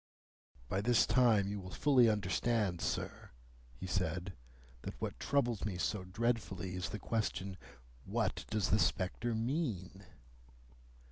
"By this time you will fully understand, sir," he said, "that what troubles me so dreadfully is the question, What does the spectre mean?"